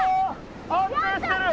安定してる！